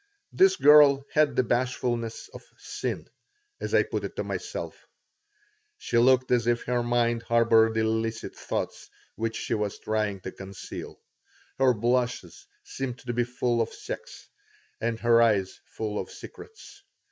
This girl had the bashfulness of sin, as I put it to myself. She looked as if her mind harbored illicit thoughts which she was trying to conceal. Her blushes seemed to be full of sex and her eyes full of secrets.